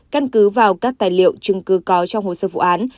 căn cứ vào các tài liệu chứng cứ có trong hồ sơ vụ án